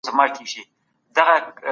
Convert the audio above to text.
د بودیجې راپور څوک اوري؟